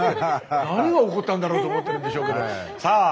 何が起こったんだろうと思ってるんでしょうけどさあ